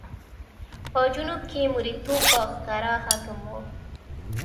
په جنوب کې مریتوب په ښکاره حاکم و.